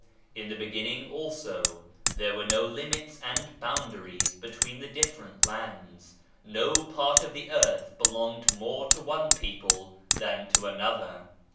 In the beginning, also, there were no limits and boundaries between the different lands ;] no part of the earth belonged more to one people than to another.